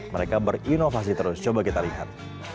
mereka berinovasi terus coba kita lihat